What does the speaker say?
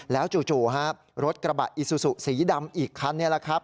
แล้วจู่ฮะรถกระบะอิซูซูสีดำอีกคันนี่แหละครับ